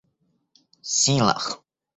силах